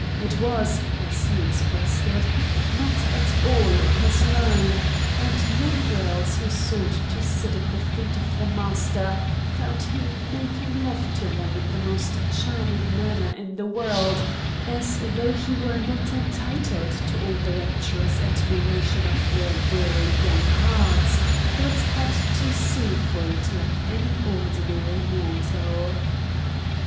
It was, as he expressed it, not at all in his line, and young girls who sought to sit at the feet of the master found him making love to them in the most charming manner in the world, as though he were not entitled to all the rapturous admiration of their very young hearts, but had to sue for it like any ordinary mortal.